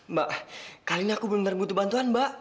mbak kali ini aku bener bener butuh bantuan mbak